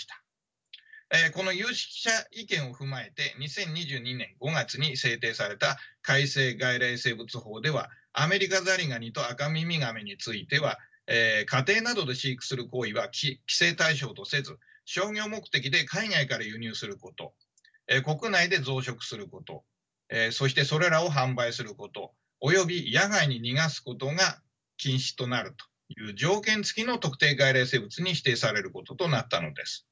この有識者意見を踏まえて２０２２年５月に制定された改正外来生物法ではアメリカザリガニとアカミミガメについては家庭などで飼育する行為は規制対象とせず商業目的で海外から輸入すること国内で増殖することそしてそれらを販売することおよび野外に逃がすことが禁止となるという条件付きの特定外来生物に指定されることとなったのです。